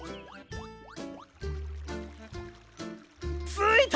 ついた！